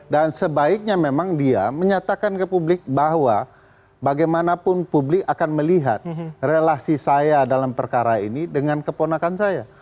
dan sebaiknya memang dia menyatakan ke publik bahwa bagaimanapun publik akan melihat relasi saya dalam perkara ini dengan keponakan saya